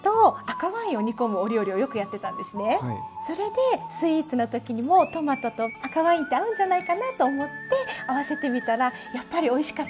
それでスイーツの時にもトマトと赤ワインって合うんじゃないかなと思って合わせてみたらやっぱりおいしかったんです。